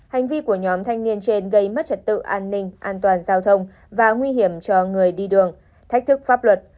hành vi của nhóm thanh niên trên gây mất trật tự an ninh an toàn giao thông và nguy hiểm cho người đi đường thách thức pháp luật